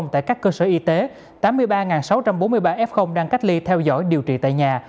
tại các cơ sở y tế tám mươi ba sáu trăm bốn mươi ba f đang cách ly theo dõi điều trị tại nhà